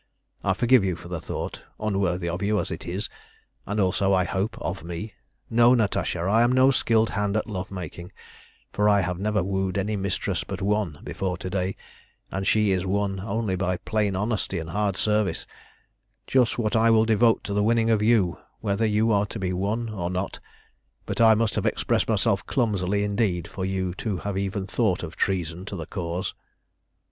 I forgive you for the thought, unworthy of you as it is, and also, I hope, of me. No, Natasha; I am no skilled hand at love making, for I have never wooed any mistress but one before to day, and she is won only by plain honesty and hard service; just what I will devote to the winning of you, whether you are to be won or not but I must have expressed myself clumsily indeed for you to have even thought of treason to the Cause.